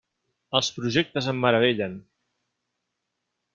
Els projectes em meravellen.